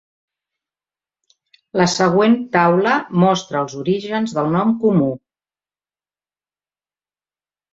La següent taula mostra els orígens del nom comú.